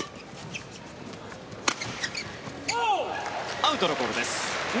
アウトのコールです。